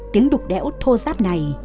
tiếng đục đẽo thô giáp này